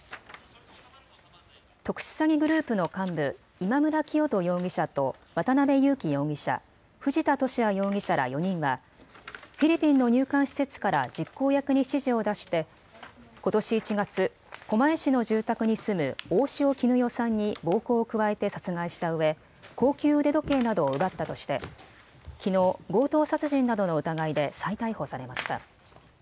特殊詐欺グループの幹部、今村磨人容疑者と渡邉優樹容疑者、藤田聖也容疑者ら４人はフィリピンの入管施設から実行役に指示を出してことし１月、狛江市の住宅に住む大塩衣與さんに暴行を加えて殺害したうえ高級腕時計などを奪ったとしてきのう強盗殺人などの疑いで再逮捕されました。